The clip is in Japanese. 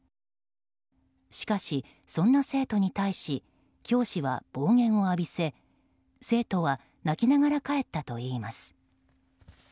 しかし、そんな生徒に対し教師は暴言を浴びせ生徒は泣きながら帰ったといいます。